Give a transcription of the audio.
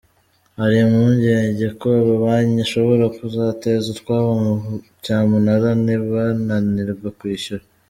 Hari impungenge ko amabanki ashobora kuzateza utwabo mu cyamunara nibananirwa kwishyura.